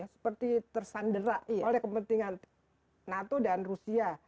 seperti tersandera oleh kepentingan nato dan rusia